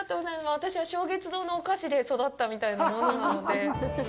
私は松月堂のお菓子で育ったみたいなものなので。